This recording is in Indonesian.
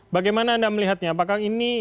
bagaimana anda melihatnya apakah ini